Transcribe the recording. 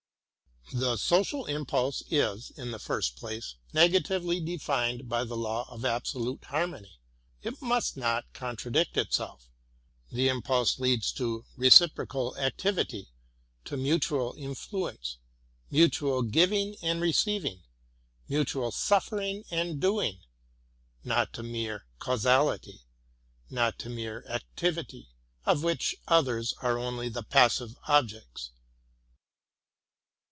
The social impulse is, in the first place, negatively defined by the law of absolute harmony; — it must not contradict itself. The impulse leads to reciprocal activity, to mutual influence, mutual giving and receiving, mutual suffering and doing, — not to mere causality — not to mere activity, of which others are only the passive objects.